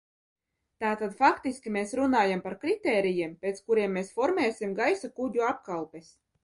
Tātad faktiski mēs runājam par kritērijiem, pēc kuriem mēs formēsim gaisa kuģu apkalpes.